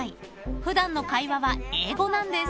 ［普段の会話は英語なんです］